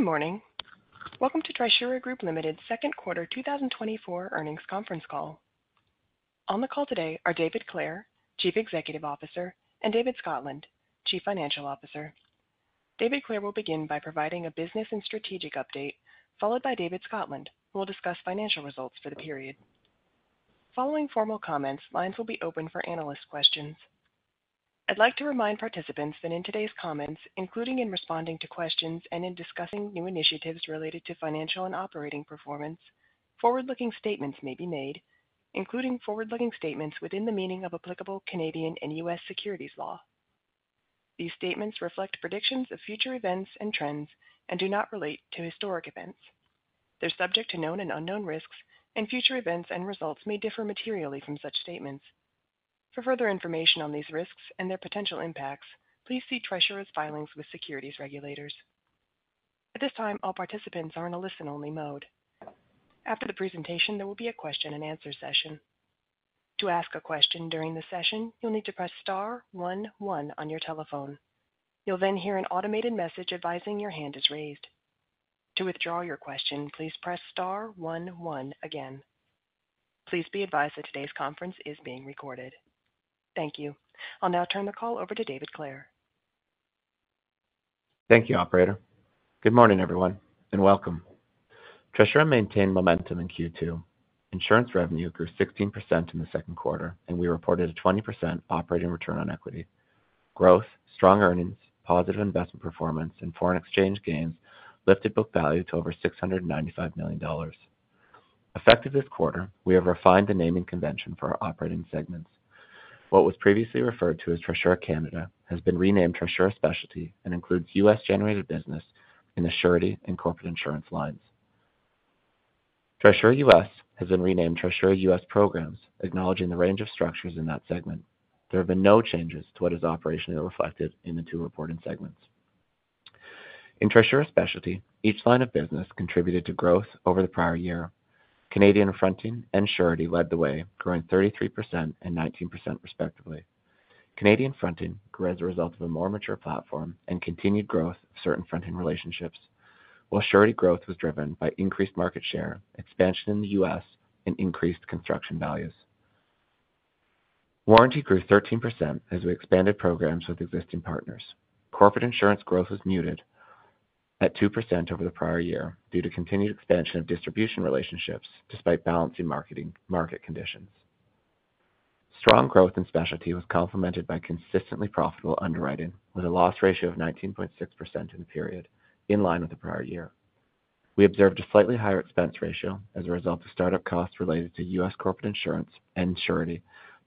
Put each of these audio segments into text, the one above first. Good morning. Welcome to Trisura Group Limited's second quarter 2024 earnings conference call. On the call today are David Clare, Chief Executive Officer, and David Scotland, Chief Financial Officer. David Clare will begin by providing a business and strategic update, followed by David Scotland, who will discuss financial results for the period. Following formal comments, lines will be open for analyst questions. I'd like to remind participants that in today's comments, including in responding to questions and in discussing new initiatives related to financial and operating performance, forward-looking statements may be made, including forward-looking statements within the meaning of applicable Canadian and U.S. securities law. These statements reflect predictions of future events and trends and do not relate to historic events. They're subject to known and unknown risks, and future events and results may differ materially from such statements. For further information on these risks and their potential impacts, please see Trisura's filings with securities regulators. At this time, all participants are in a listen-only mode. After the presentation, there will be a question-and-answer session. To ask a question during the session, you'll need to press star one one on your telephone. You'll then hear an automated message advising your hand is raised. To withdraw your question, please press star one one again. Please be advised that today's conference is being recorded. Thank you. I'll now turn the call over to David Clare. Thank you, Operator. Good morning, everyone, and welcome. Trisura maintained momentum in Q2. Insurance revenue grew 16% in the second quarter, and we reported a 20% operating return on equity. Growth, strong earnings, positive investment performance, and foreign exchange gains lifted book value to over 695 million dollars. Effective this quarter, we have refined the naming convention for our operating segments. What was previously referred to as Trisura Canada has been renamed Trisura Specialty and includes U.S.-generated business in the surety and corporate insurance lines. Trisura U.S. has been renamed Trisura U.S. Programs, acknowledging the range of structures in that segment. There have been no changes to what is operationally reflected in the two reporting segments. In Trisura Specialty, each line of business contributed to growth over the prior year. Canadian fronting and surety led the way, growing 33% and 19%, respectively. Canadian fronting grew as a result of a more mature platform and continued growth of certain fronting relationships, while surety growth was driven by increased market share, expansion in the U.S., and increased construction values. Warranty grew 13% as we expanded programs with existing partners. Corporate insurance growth was muted at 2% over the prior year due to continued expansion of distribution relationships, despite balancing market conditions. Strong growth in Specialty was complemented by consistently profitable underwriting, with a loss ratio of 19.6% in the period, in line with the prior year. We observed a slightly higher expense ratio as a result of startup costs related to U.S. corporate insurance and surety,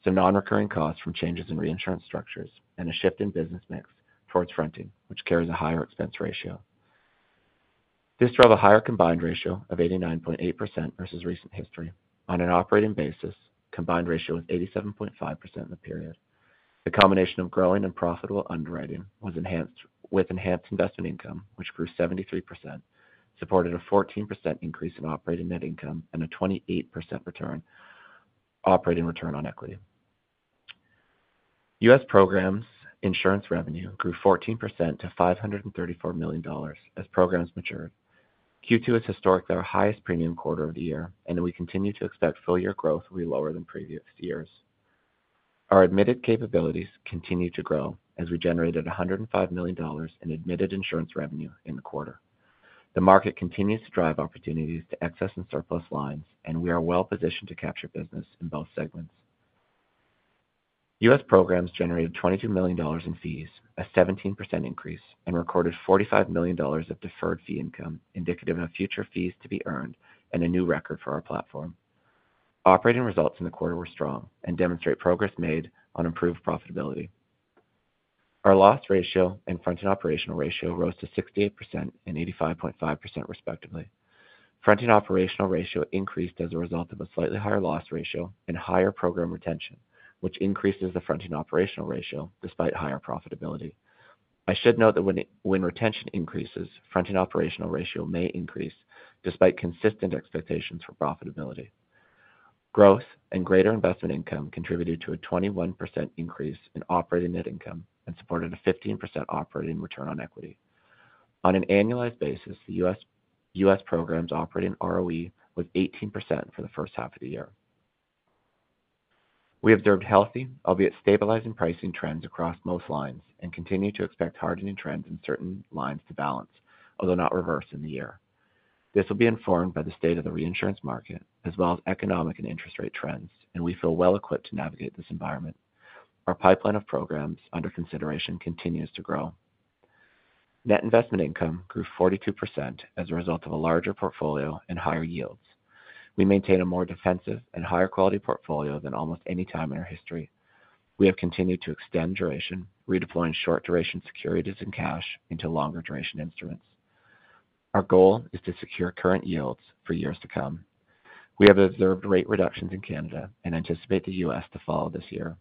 some non-recurring costs from changes in reinsurance structures, and a shift in business mix towards fronting, which carries a higher expense ratio. This drove a higher combined ratio of 89.8% versus recent history. On an operating basis, the combined ratio was 87.5% in the period. The combination of growing and profitable underwriting was enhanced with enhanced investment income, which grew 73%, supported a 14% increase in operating net income and a 28% operating return on equity. U.S. programs insurance revenue grew 14% to $534 million as programs matured. Q2 is historically our highest premium quarter of the year, and we continue to expect full-year growth will be lower than previous years. Our admitted capabilities continue to grow as we generated $105 million in admitted insurance revenue in the quarter. The market continues to drive opportunities to excess and surplus lines, and we are well positioned to capture business in both segments. U.S. programs generated $22 million in fees, a 17% increase, and recorded $45 million of deferred fee income, indicative of future fees to be earned and a new record for our platform. Operating results in the quarter were strong and demonstrate progress made on improved profitability. Our loss ratio and fronting operational ratio rose to 68% and 85.5%, respectively. Fronting operational ratio increased as a result of a slightly higher loss ratio and higher program retention, which increases the fronting operational ratio despite higher profitability. I should note that when retention increases, fronting operational ratio may increase despite consistent expectations for profitability. Growth and greater investment income contributed to a 21% increase in operating net income and supported a 15% operating return on equity. On an annualized basis, the U.S. programs' operating ROE was 18% for the first half of the year. We observed healthy, albeit stabilizing, pricing trends across most lines and continue to expect hardening trends in certain lines to balance, although not reverse in the year. This will be informed by the state of the reinsurance market as well as economic and interest rate trends, and we feel well equipped to navigate this environment. Our pipeline of programs under consideration continues to grow. Net investment income grew 42% as a result of a larger portfolio and higher yields. We maintain a more defensive and higher quality portfolio than almost any time in our history. We have continued to extend duration, redeploying short-duration securities and cash into longer-duration instruments. Our goal is to secure current yields for years to come. We have observed rate reductions in Canada and anticipate the U.S. to follow this year.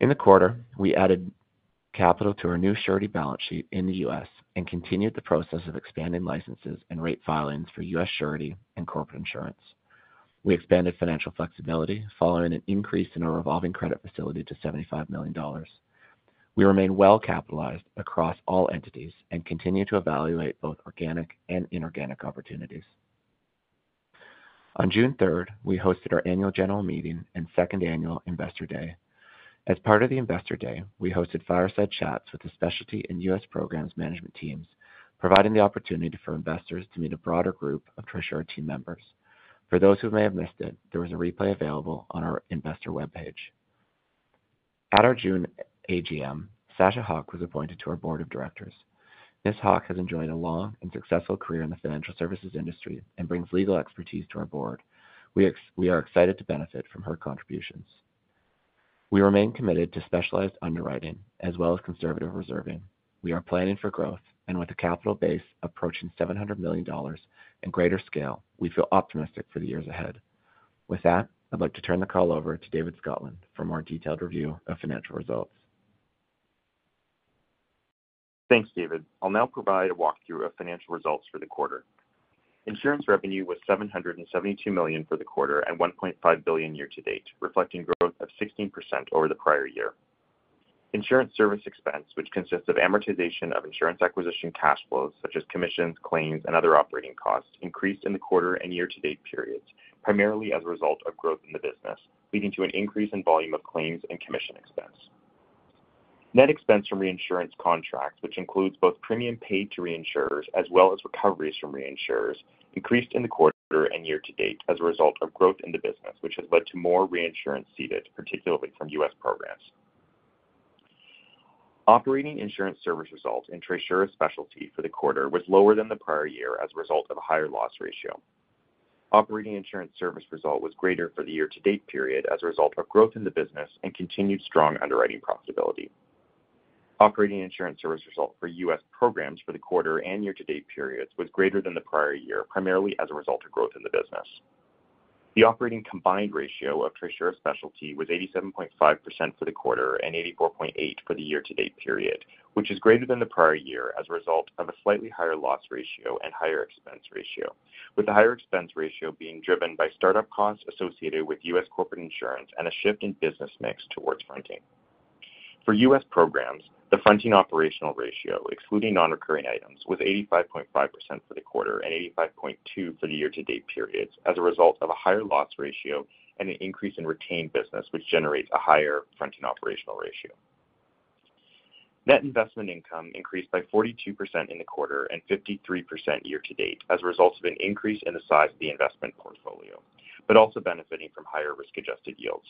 In the quarter, we added capital to our new surety balance sheet in the U.S. and continued the process of expanding licenses and rate filings for U.S. surety and corporate insurance. We expanded financial flexibility following an increase in our revolving credit facility to $75 million. We remain well capitalized across all entities and continue to evaluate both organic and inorganic opportunities. On June 3rd, we hosted our annual general meeting and second annual investor day. As part of the investor day, we hosted fireside chats with the Specialty and U.S. programs management teams, providing the opportunity for investors to meet a broader group of Trisura team members. For those who may have missed it, there was a replay available on our investor webpage. At our June AGM, Sasha Haque was appointed to our board of directors. Ms. Haque has enjoyed a long and successful career in the financial services industry and brings legal expertise to our board. We are excited to benefit from her contributions. We remain committed to specialized underwriting as well as conservative reserving. We are planning for growth, and with a capital base approaching $700 million and greater scale, we feel optimistic for the years ahead. With that, I'd like to turn the call over to David Scotland for a more detailed review of financial results. Thanks, David. I'll now provide a walkthrough of financial results for the quarter. Insurance revenue was $772 million for the quarter and $1.5 billion year-to-date, reflecting growth of 16% over the prior year. Insurance service expense, which consists of amortization of insurance acquisition cash flows such as commissions, claims, and other operating costs, increased in the quarter and year-to-date periods, primarily as a result of growth in the business, leading to an increase in volume of claims and commission expense. Net expense from reinsurance contracts, which includes both premium paid to reinsurers as well as recoveries from reinsurers, increased in the quarter and year-to-date as a result of growth in the business, which has led to more reinsurance ceded, particularly from U.S. programs. Operating insurance service result in Trisura Specialty for the quarter was lower than the prior year as a result of a higher loss ratio. Operating insurance service result was greater for the year-to-date period as a result of growth in the business and continued strong underwriting profitability. Operating insurance service result for U.S. programs for the quarter and year-to-date periods was greater than the prior year, primarily as a result of growth in the business. The operating combined ratio of Trisura Specialty was 87.5% for the quarter and 84.8% for the year-to-date period, which is greater than the prior year as a result of a slightly higher loss ratio and higher expense ratio, with the higher expense ratio being driven by startup costs associated with U.S. corporate insurance and a shift in business mix towards fronting. For U.S. programs, the fronting operational ratio, excluding non-recurring items, was 85.5% for the quarter and 85.2% for the year-to-date periods as a result of a higher loss ratio and an increase in retained business, which generates a higher fronting operational ratio. Net investment income increased by 42% in the quarter and 53% year-to-date as a result of an increase in the size of the investment portfolio, but also benefiting from higher risk-adjusted yields.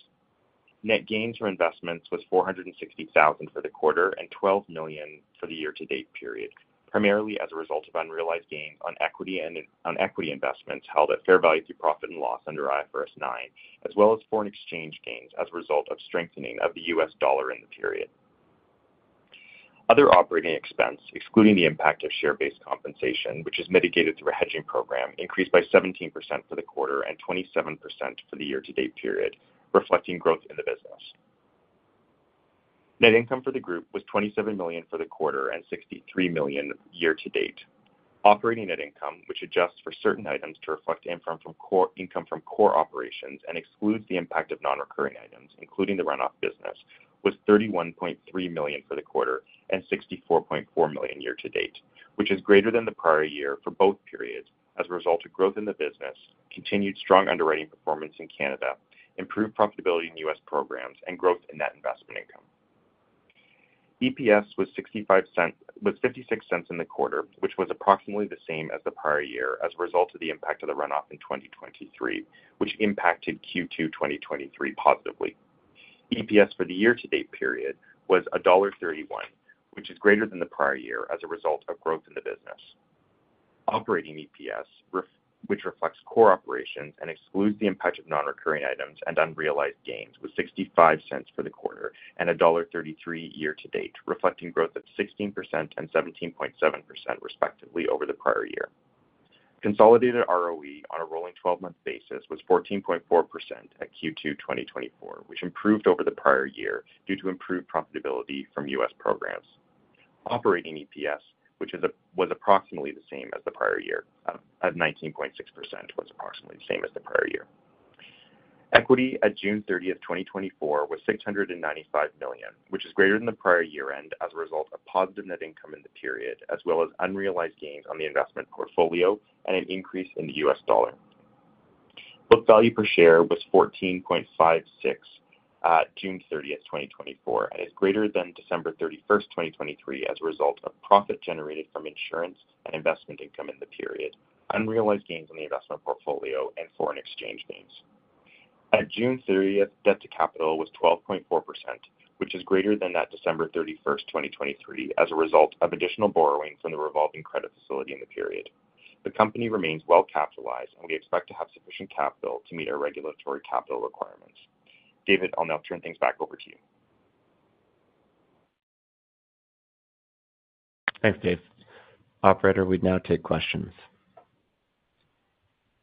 Net gains from investments was 460,000 for the quarter and 12 million for the year-to-date period, primarily as a result of unrealized gains on equity and on equity investments held at fair value through profit and loss under IFRS 9, as well as foreign exchange gains as a result of strengthening of the U.S. dollar in the period. Other operating expense, excluding the impact of share-based compensation, which is mitigated through a hedging program, increased by 17% for the quarter and 27% for the year-to-date period, reflecting growth in the business. Net income for the group was 27 million for the quarter and 63 million year-to-date. Operating net income, which adjusts for certain items to reflect income from core operations and excludes the impact of non-recurring items, including the runoff business, was 31.3 million for the quarter and 64.4 million year-to-date, which is greater than the prior year for both periods as a result of growth in the business, continued strong underwriting performance in Canada, improved profitability in U.S. programs, and growth in net investment income. EPS was 0.56 in the quarter, which was approximately the same as the prior year as a result of the impact of the runoff in 2023, which impacted Q2 2023 positively. EPS for the year-to-date period was $1.31, which is greater than the prior year as a result of growth in the business. Operating EPS, which reflects core operations and excludes the impact of non-recurring items and unrealized gains, was $0.65 for the quarter and $1.33 year-to-date, reflecting growth of 16% and 17.7%, respectively, over the prior year. Consolidated ROE on a rolling 12-month basis was 14.4% at Q2 2024, which improved over the prior year due to improved profitability from U.S. programs. Operating EPS, which was approximately the same as the prior year of 19.6%, was approximately the same as the prior year. Equity at June 30th, 2024, was $695 million, which is greater than the prior year-end as a result of positive net income in the period, as well as unrealized gains on the investment portfolio and an increase in the U.S. dollar. Book value per share was 14.56 June 30th, 2024, and is greater than December 31st, 2023, as a result of profit generated from insurance and investment income in the period, unrealized gains on the investment portfolio, and foreign exchange gains. At June 30th, debt to capital was 12.4%, which is greater than that December 31st, 2023, as a result of additional borrowing from the revolving credit facility in the period. The company remains well capitalized, and we expect to have sufficient capital to meet our regulatory capital requirements. David, I'll now turn things back over to you. Thanks, Dave. Operator, we now take questions.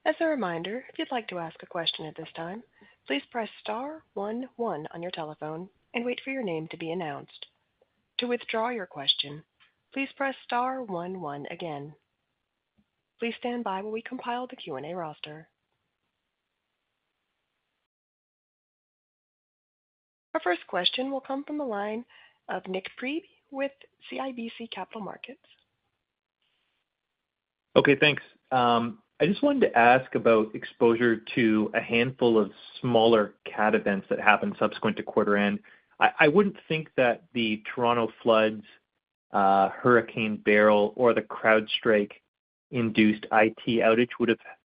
As a reminder, if you'd like to ask a question at this time, please press star 11 on your telephone and wait for your name to be announced. To withdraw your question, please press star 11 again. Please stand by while we compile the Q&A roster. Our first question will come from the line of Nik Priebe with CIBC Capital Markets. Okay, thanks. I just wanted to ask about exposure to a handful of smaller cat events that happened subsequent to quarter-end. I wouldn't think that the Toronto floods, Hurricane Beryl, or the CrowdStrike-induced IT outage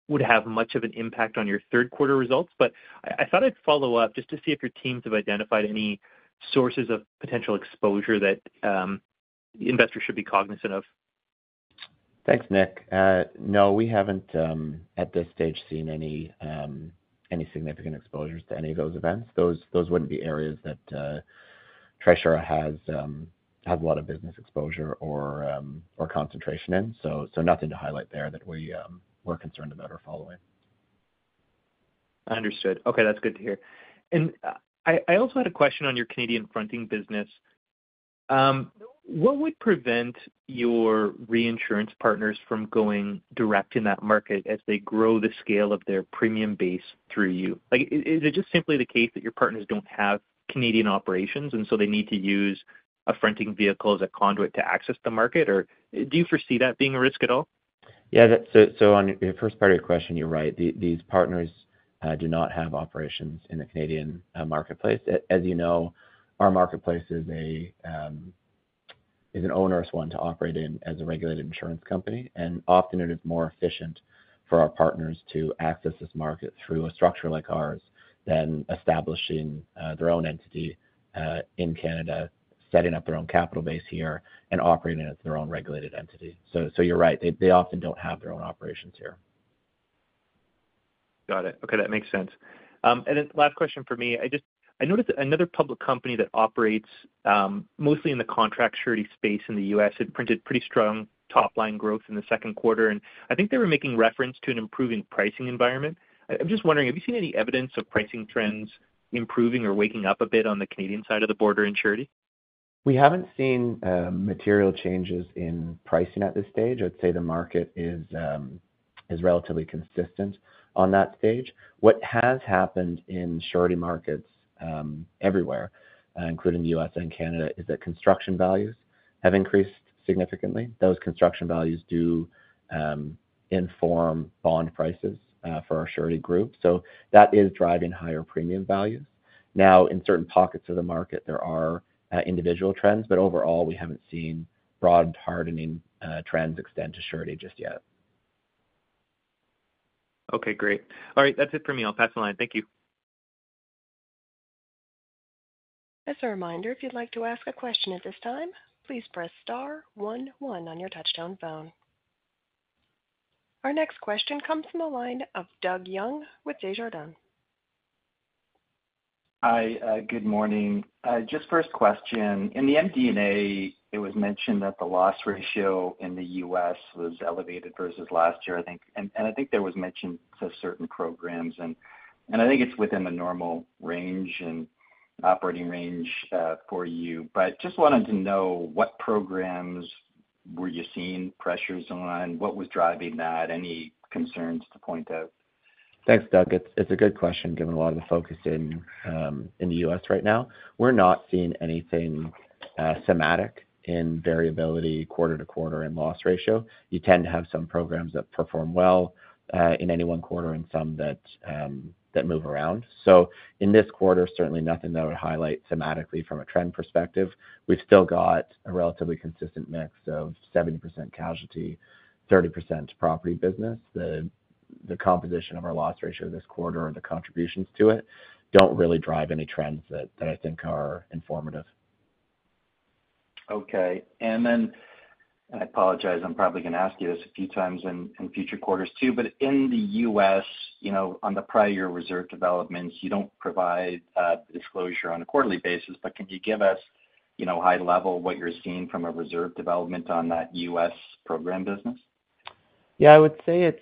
would have much of an impact on your third quarter results, but I thought I'd follow up just to see if your teams have identified any sources of potential exposure that investors should be cognizant of. Thanks, Nick. No, we haven't at this stage seen any significant exposures to any of those events. Those wouldn't be areas that Trisura has a lot of business exposure or concentration in, so nothing to highlight there that we're concerned about or following. Understood. Okay, that's good to hear. And I also had a question on your Canadian fronting business. What would prevent your reinsurance partners from going direct in that market as they grow the scale of their premium base through you? Is it just simply the case that your partners don't have Canadian operations and so they need to use a fronting vehicle as a conduit to access the market, or do you foresee that being a risk at all? Yeah, so on your first part of your question, you're right. These partners do not have operations in the Canadian marketplace. As you know, our marketplace is an onerous one to operate in as a regulated insurance company, and often it is more efficient for our partners to access this market through a structure like ours than establishing their own entity in Canada, setting up their own capital base here, and operating as their own regulated entity. So you're right. They often don't have their own operations here. Got it. Okay, that makes sense. And then last question for me. I noticed another public company that operates mostly in the contract surety space in the U.S. had printed pretty strong top-line growth in the second quarter, and I think they were making reference to an improving pricing environment. I'm just wondering, have you seen any evidence of pricing trends improving or waking up a bit on the Canadian side of the border in surety? We haven't seen material changes in pricing at this stage. I'd say the market is relatively consistent on that stage. What has happened in surety markets everywhere, including the U.S. and Canada, is that construction values have increased significantly. Those construction values do inform bond prices for our surety group, so that is driving higher premium values. Now, in certain pockets of the market, there are individual trends, but overall, we haven't seen broad hardening trends extend to surety just yet. Okay, great. All right, that's it for me. I'll pass the line. Thank you. As a reminder, if you'd like to ask a question at this time, please press star 11 on your touch-tone phone. Our next question comes from the line of Doug Young with Desjardins. Hi, good morning. Just first question. In the MD&A, it was mentioned that the loss ratio in the U.S. was elevated versus last year, I think, and I think there was mention to certain programs, and I think it's within the normal range and operating range for you, but just wanted to know what programs were you seeing pressures on? What was driving that? Any concerns to point out? Thanks, Doug. It's a good question given a lot of the focus in the U.S. right now. We're not seeing anything significant in variability quarter to quarter and loss ratio. You tend to have some programs that perform well in any one quarter and some that move around. So in this quarter, certainly nothing that would highlight significantly from a trend perspective. We've still got a relatively consistent mix of 70% casualty, 30% property business. The composition of our loss ratio this quarter and the contributions to it don't really drive any trends that I think are informative. Okay. And then I apologize. I'm probably going to ask you this a few times in future quarters too, but in the U.S., on the prior year reserve developments, you don't provide disclosure on a quarterly basis, but can you give us high-level what you're seeing from a reserve development on that U.S. program business? Yeah, I would say it's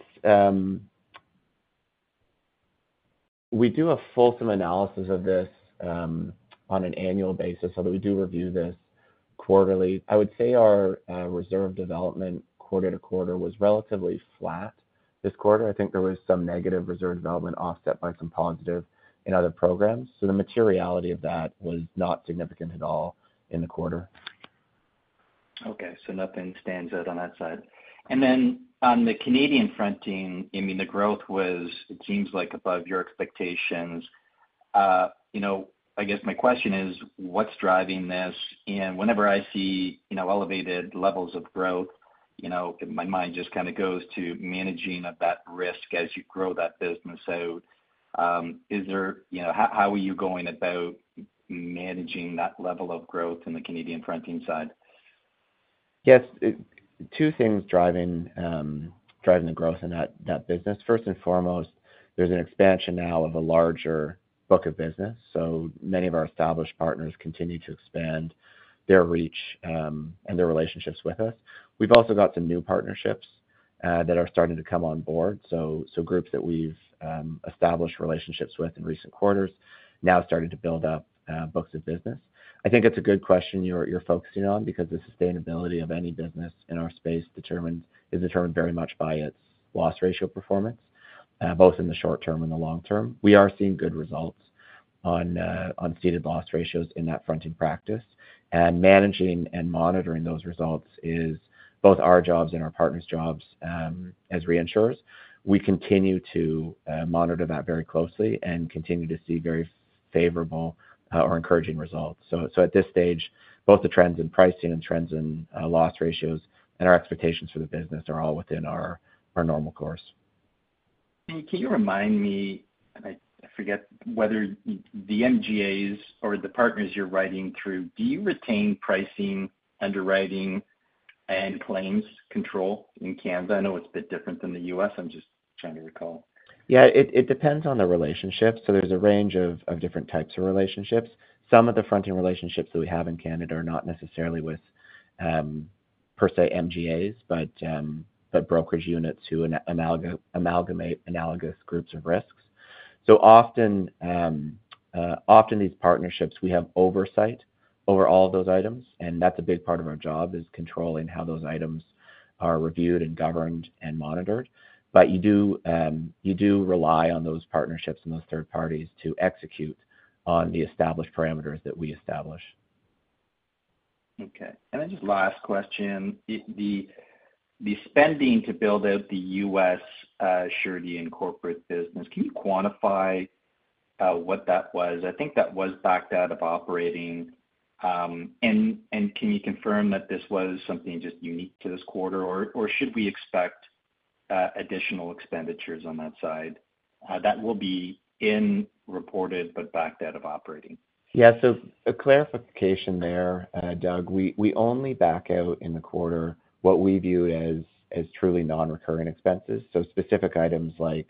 we do a fulsome analysis of this on an annual basis, so we do review this quarterly. I would say our reserve development quarter to quarter was relatively flat this quarter. I think there was some negative reserve development offset by some positive in other programs. So the materiality of that was not significant at all in the quarter. Okay, so nothing stands out on that side. And then on the Canadian fronting, I mean, the growth was, it seems like, above your expectations. I guess my question is, what's driving this? And whenever I see elevated levels of growth, my mind just kind of goes to managing of that risk as you grow that business out. How are you going about managing that level of growth in the Canadian fronting side? Yes, two things driving the growth in that business. First and foremost, there's an expansion now of a larger book of business, so many of our established partners continue to expand their reach and their relationships with us. We've also got some new partnerships that are starting to come on board, so groups that we've established relationships with in recent quarters now starting to build up books of business. I think it's a good question you're focusing on because the sustainability of any business in our space is determined very much by its loss ratio performance, both in the short term and the long term. We are seeing good results on unceded loss ratios in that fronting practice, and managing and monitoring those results is both our jobs and our partners' jobs as reinsurers. We continue to monitor that very closely and continue to see very favorable or encouraging results. At this stage, both the trends in pricing and trends in loss ratios and our expectations for the business are all within our normal course. Can you remind me, and I forget whether the MGAs or the partners you're writing through, do you retain pricing, underwriting, and claims control in Canada? I know it's a bit different than the U.S. I'm just trying to recall. Yeah, it depends on the relationship. So there's a range of different types of relationships. Some of the fronting relationships that we have in Canada are not necessarily with, per se, MGAs, but brokerage units who amalgamate analogous groups of risks. So often these partnerships, we have oversight over all those items, and that's a big part of our job is controlling how those items are reviewed and governed and monitored. But you do rely on those partnerships and those third parties to execute on the established parameters that we establish. Okay. And then just last question. The spending to build out the U.S. surety and corporate business, can you quantify what that was? I think that was backed out of operating. And can you confirm that this was something just unique to this quarter, or should we expect additional expenditures on that side that will be in reported but backed out of operating? Yeah, so a clarification there, Doug. We only back out in the quarter what we view as truly non-recurring expenses. So specific items like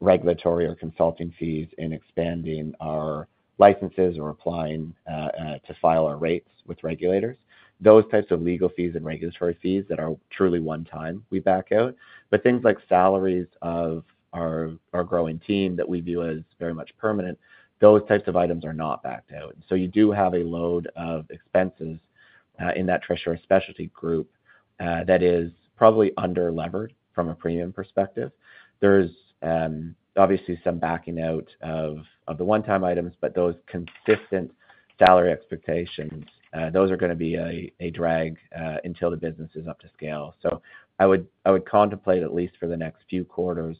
regulatory or consulting fees in expanding our licenses or applying to file our rates with regulators. Those types of legal fees and regulatory fees that are truly one-time, we back out. But things like salaries of our growing team that we view as very much permanent, those types of items are not backed out. So you do have a load of expenses in that Trisura Specialty that is probably under-levered from a premium perspective. There's obviously some backing out of the one-time items, but those consistent salary expectations, those are going to be a drag until the business is up to scale. So I would contemplate at least for the next few quarters,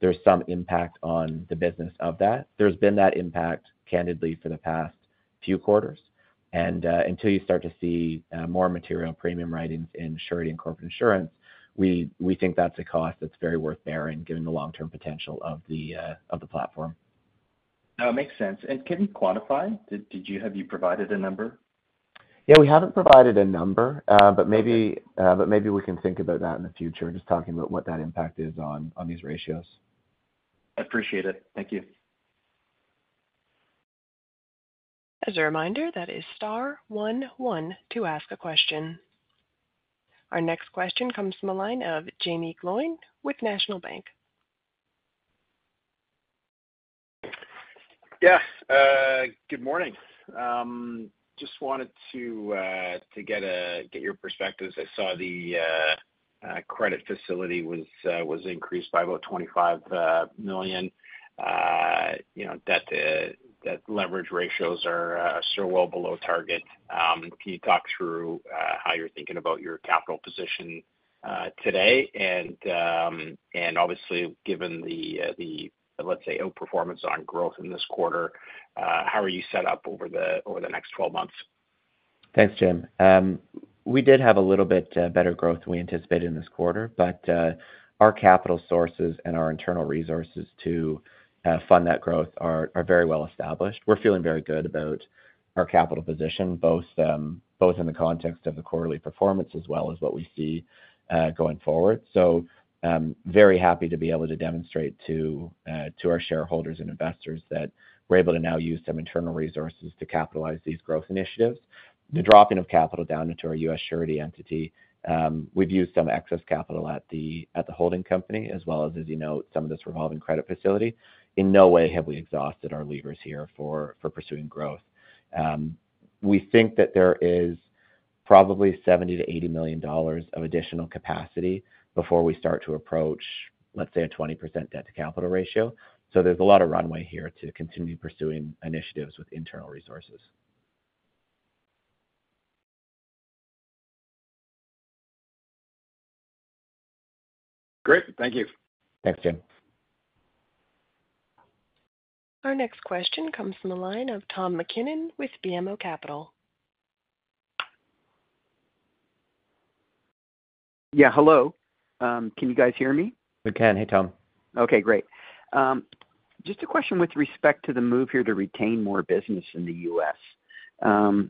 there's some impact on the business of that. There's been that impact, candidly, for the past few quarters. And until you start to see more material premium writings in surety and corporate insurance, we think that's a cost that's very worth bearing given the long-term potential of the platform. No, it makes sense. Can you quantify? Have you provided a number? Yeah, we haven't provided a number, but maybe we can think about that in the future, just talking about what that impact is on these ratios. I appreciate it. Thank you. As a reminder, that is star 11 to ask a question. Our next question comes from the line of Jaeme Gloyn with National Bank. Yes, good morning. Just wanted to get your perspective. I saw the credit facility was increased by about 25 million. Debt leverage ratios are so well below target. Can you talk through how you're thinking about your capital position today? And obviously, given the, let's say, outperformance on growth in this quarter, how are you set up over the next 12 months? Thanks, Jim. We did have a little bit better growth than we anticipated in this quarter, but our capital sources and our internal resources to fund that growth are very well established. We're feeling very good about our capital position, both in the context of the quarterly performance as well as what we see going forward. So very happy to be able to demonstrate to our shareholders and investors that we're able to now use some internal resources to capitalize these growth initiatives. The dropping of capital down into our U.S. surety entity, we've used some excess capital at the holding company, as well as, as you know, some of this revolving credit facility. In no way have we exhausted our levers here for pursuing growth. We think that there is probably 70 million-80 million dollars of additional capacity before we start to approach, let's say, a 20% debt to capital ratio. So there's a lot of runway here to continue pursuing initiatives with internal resources. Great. Thank you. Thanks, Jim. Our next question comes from the line of Tom MacKinnon with BMO Capital. Yeah, hello. Can you guys hear me? We can. Hey, Tom. Okay, great. Just a question with respect to the move here to retain more business in the U.S.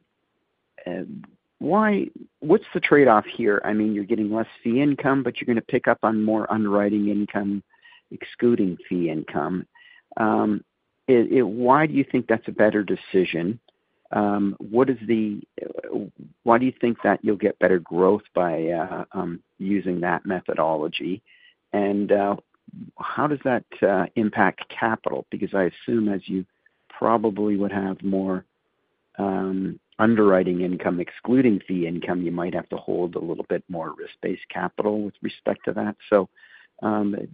What's the trade-off here? I mean, you're getting less fee income, but you're going to pick up on more underwriting income excluding fee income. Why do you think that's a better decision? Why do you think that you'll get better growth by using that methodology? And how does that impact capital? Because I assume as you probably would have more underwriting income excluding fee income, you might have to hold a little bit more risk-based capital with respect to that. So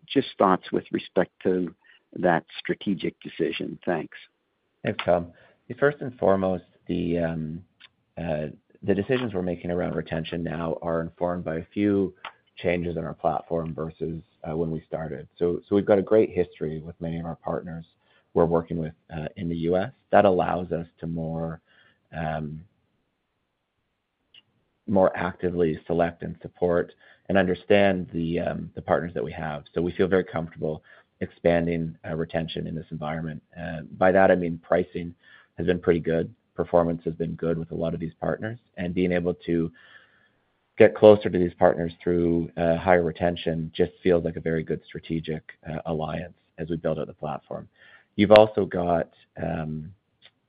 just thoughts with respect to that strategic decision. Thanks. Thanks, Tom. First and foremost, the decisions we're making around retention now are informed by a few changes in our platform versus when we started. So we've got a great history with many of our partners we're working with in the U.S. That allows us to more actively select and support and understand the partners that we have. So we feel very comfortable expanding retention in this environment. By that, I mean pricing has been pretty good. Performance has been good with a lot of these partners. And being able to get closer to these partners through higher retention just feels like a very good strategic alliance as we build out the platform. You've also got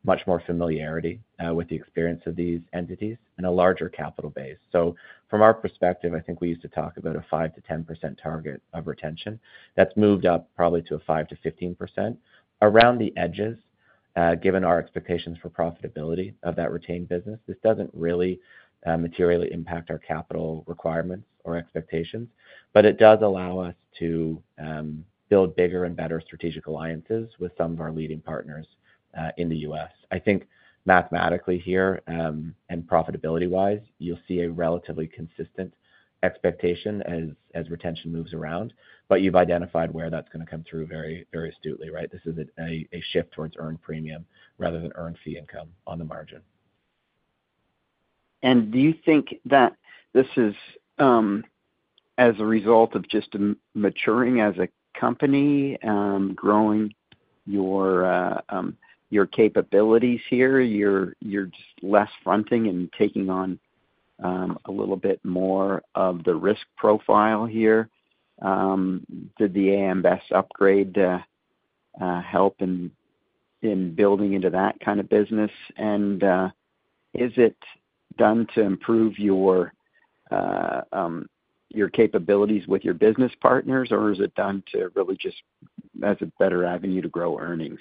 much more familiarity with the experience of these entities and a larger capital base. So from our perspective, I think we used to talk about a 5%-10% target of retention. That's moved up probably to a 5%-15%. Around the edges, given our expectations for profitability of that retained business, this doesn't really materially impact our capital requirements or expectations, but it does allow us to build bigger and better strategic alliances with some of our leading partners in the U.S. I think mathematically here and profitability-wise, you'll see a relatively consistent expectation as retention moves around, but you've identified where that's going to come through very astutely, right? This is a shift towards earned premium rather than earned fee income on the margin. Do you think that this is as a result of just maturing as a company, growing your capabilities here? You're just less fronting and taking on a little bit more of the risk profile here. Did the A.M. Best upgrade help in building into that kind of business? Is it done to improve your capabilities with your business partners, or is it done to really just as a better avenue to grow earnings?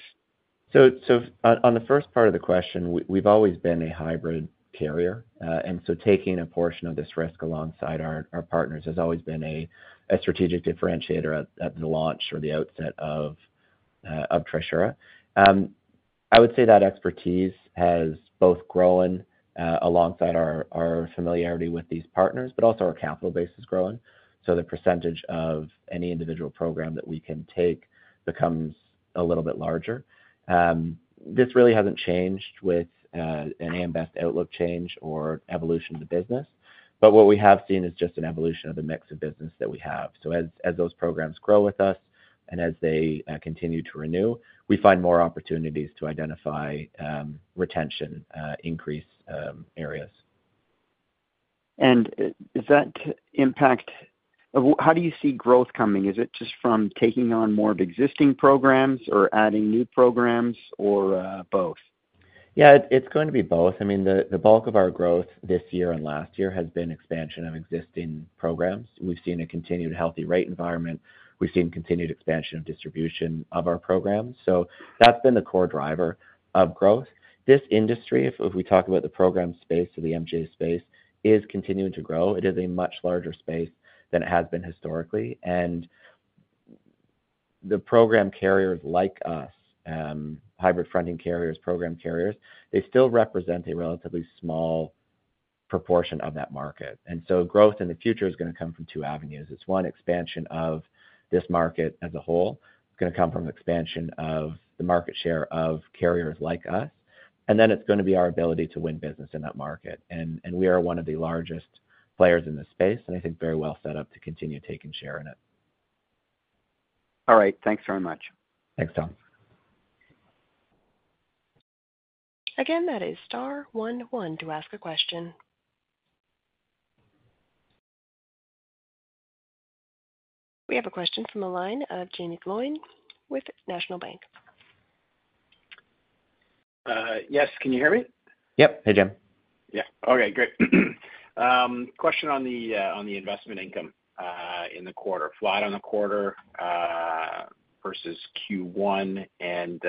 So on the first part of the question, we've always been a hybrid carrier. And so taking a portion of this risk alongside our partners has always been a strategic differentiator at the launch or the outset of Trisura. I would say that expertise has both grown alongside our familiarity with these partners, but also our capital base is growing. So the percentage of any individual program that we can take becomes a little bit larger. This really hasn't changed with an AMS outlook change or evolution of the business. But what we have seen is just an evolution of the mix of business that we have. So as those programs grow with us and as they continue to renew, we find more opportunities to identify retention increase areas. Is that impact how do you see growth coming? Is it just from taking on more of existing programs or adding new programs or both? Yeah, it's going to be both. I mean, the bulk of our growth this year and last year has been expansion of existing programs. We've seen a continued healthy rate environment. We've seen continued expansion of distribution of our programs. So that's been the core driver of growth. This industry, if we talk about the program space or the MGA space, is continuing to grow. It is a much larger space than it has been historically. And the program carriers like us, hybrid fronting carriers, program carriers, they still represent a relatively small proportion of that market. And so growth in the future is going to come from two avenues. It's one expansion of this market as a whole. It's going to come from expansion of the market share of carriers like us. And then it's going to be our ability to win business in that market. We are one of the largest players in this space, and I think very well set up to continue taking share in it. All right. Thanks very much. Thanks, Tom. Again, that is star 11 to ask a question. We have a question from the line of Jaeme Gloyn with National Bank. Yes, can you hear me? Yep. Hey, Jim. Yeah. Okay, great. Question on the investment income in the quarter, flat on the quarter versus Q1. And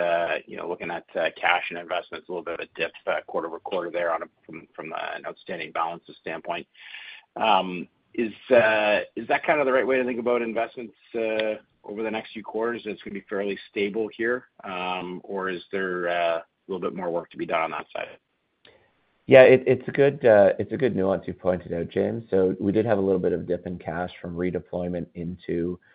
looking at cash and investments, a little bit of a dip quarter-over-quarter there from an outstanding balance standpoint. Is that kind of the right way to think about investments over the next few quarters? It's going to be fairly stable here, or is there a little bit more work to be done on that side? Yeah, it's a good nuance you pointed out, Jaeme. So we did have a little bit of dip in cash from redeployment into investments.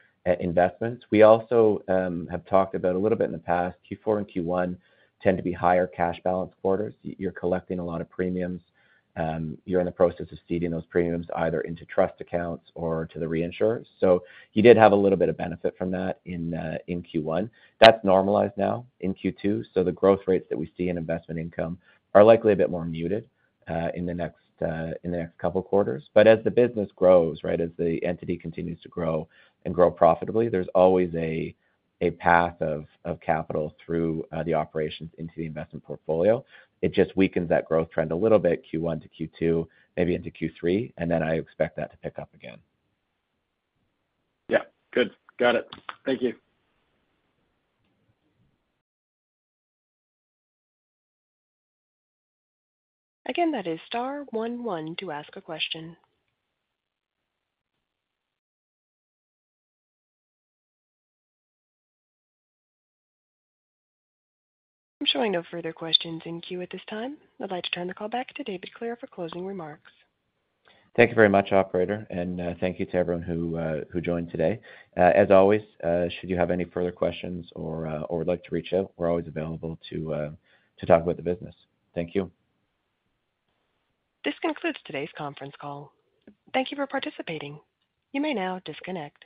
We also have talked about a little bit in the past, Q4 and Q1 tend to be higher cash balance quarters. You're collecting a lot of premiums. You're in the process of ceding those premiums either into trust accounts or to the reinsurers. So you did have a little bit of benefit from that in Q1. That's normalized now in Q2. So the growth rates that we see in investment income are likely a bit more muted in the next couple of quarters. But as the business grows, right, as the entity continues to grow and grow profitably, there's always a path of capital through the operations into the investment portfolio. It just weakens that growth trend a little bit, Q1 to Q2, maybe into Q3, and then I expect that to pick up again. Yeah. Good. Got it. Thank you. Again, that is star 11 to ask a question. I'm showing no further questions in queue at this time. I'd like to turn the call back to David Clare for closing remarks. Thank you very much, operator. Thank you to everyone who joined today. As always, should you have any further questions or would like to reach out, we're always available to talk about the business. Thank you. This concludes today's conference call. Thank you for participating. You may now disconnect.